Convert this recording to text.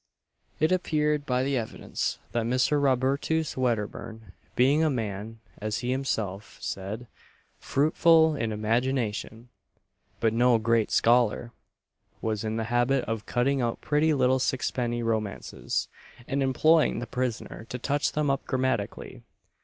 It appeared by the evidence, that Mr. Robertus Wedderburn being a man, as he himself said, "fruitful in imagination, but no great scholar," was in the habit of cutting out pretty little sixpenny romances, and employing the prisoner to touch them up grammatically.